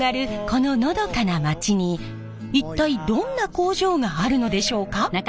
こののどかな町に一体どんな工場があるのでしょうか？